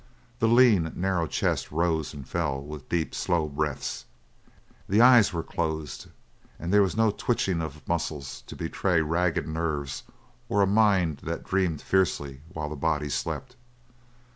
The lean, narrow chest rose and fell with deep, slow breaths; the eyes were closed, and there was no twitching of muscles to betray ragged nerves or a mind that dreamed fiercely while the body slept.